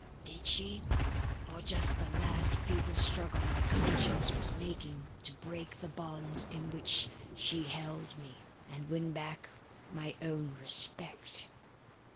"Did she, or just the last feeble struggle my conscience was making to break the bonds in which she held me, and win back my own respect?